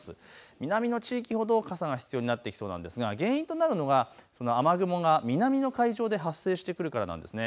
南の地域ほど傘が必要になってきそうなんですが原因となるのは雨雲が南の海上で発生してくるからなんです。